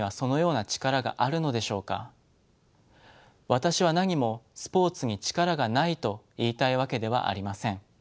私はなにもスポーツに力がないと言いたいわけではありません。